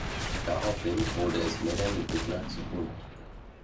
Daraufhin wurde es Melanie Büttner zu bunt.